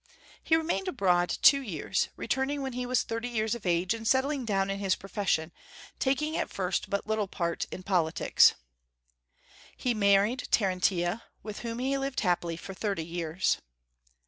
He remained abroad two years, returning when he was thirty years of age and settling down in his profession, taking at first but little part in politics. He married Terentia, with whom he lived happily for thirty years.